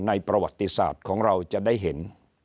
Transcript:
ประวัติศาสตร์ของเราจะได้เห็น